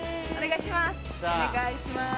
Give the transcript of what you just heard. お願いします！